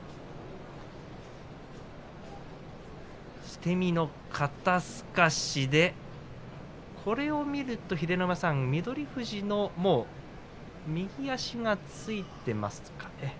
捨て身の肩すかしでしたがこれを見ると翠富士の右足がついていますかね。